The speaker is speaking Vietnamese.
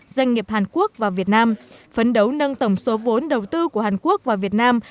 doanh nghiệp hàn quốc và việt nam phấn đấu nâng tổng số vốn đầu tư của hàn quốc vào việt nam